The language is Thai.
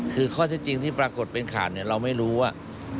คือข้อแท้จริงที่ปรากฏเป็นขาดเราไม่รู้ว่า